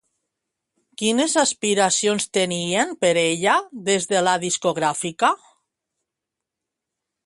Quines aspiracions tenien per ella des de la discogràfica?